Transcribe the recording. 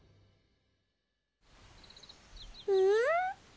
うん？